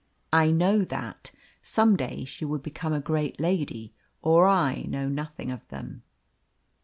"I know that. Some day she will become a great lady, or I know nothing of them."